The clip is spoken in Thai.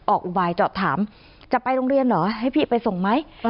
อุบายเจาะถามจะไปโรงเรียนเหรอให้พี่ไปส่งไหม